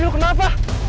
dini lo kenapa